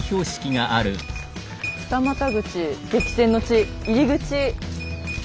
「二股口激戦之地入口」。